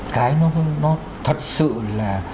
cái nó thật sự là